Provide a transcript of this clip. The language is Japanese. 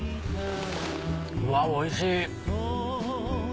うわおいしい。